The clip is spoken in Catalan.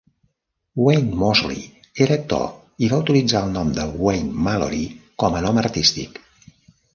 Wayne Moseley era actor i va utilitzar el nom de Wayne Mallory com a nom artístic.